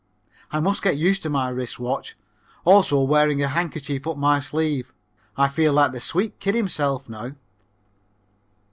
I must get used to my wrist watch also wearing a handkerchief up my sleeve. I feel like the sweet kid himself now.